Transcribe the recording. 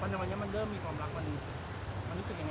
วันหน้าวันนี้มันเริ่มมีความรัก